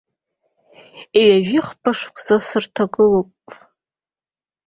Ҩажәи хԥа шықәса сырҭагылоуп.